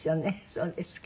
そうですか。